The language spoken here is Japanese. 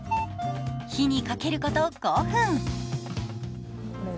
火にかけること５分。